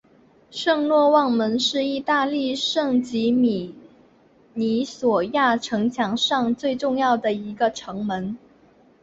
圣若望门是意大利圣吉米尼亚诺城墙上最重要的一个城门。